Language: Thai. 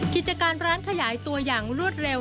กิจการร้านขยายตัวอย่างรวดเร็ว